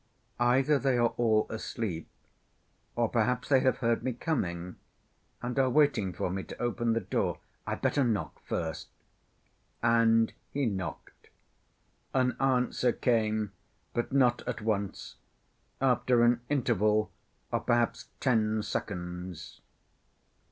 "Either they are all asleep or perhaps they have heard me coming and are waiting for me to open the door. I'd better knock first," and he knocked. An answer came, but not at once, after an interval of perhaps ten seconds.